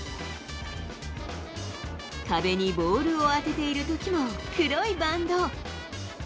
壁にボールを当てているときも、黒いバンド。